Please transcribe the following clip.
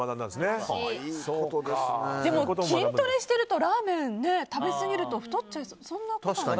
でも、筋トレしてるとラーメンを食べすぎると太っちゃいそうですが。